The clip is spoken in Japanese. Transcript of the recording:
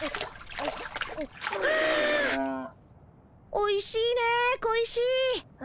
おいしいねえ小石。